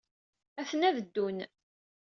Atni ad ddun.